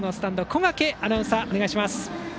小掛アナウンサー、お願いします。